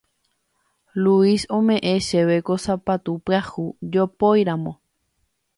Luis ome'ẽ chéve ko sapatu pyahu jopóiramo.